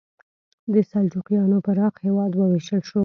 د سلجوقیانو پراخ هېواد وویشل شو.